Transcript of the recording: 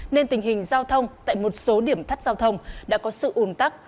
nên tình hình giao thông tại một số điểm thắt giao thông đã có sự ồn tắc